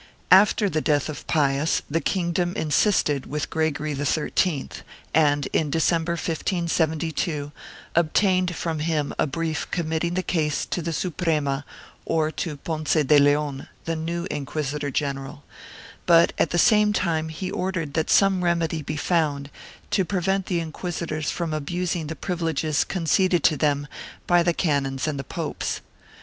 After the death of Pius, the kingdom insisted with Gregory XIII and, in December, 1572, obtained from him a brief committing the case to the Suprema or to Ponce de Leon the new inquisitor general, but, at the same time, he ordered that some remedy be found to prevent the inquisitors from abusing the privileges conceded to them by the canons and the popes.